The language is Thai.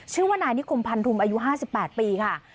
ชื่อว่านายนิคุมพันธุมอายุห้าสิบแปดปีค่ะ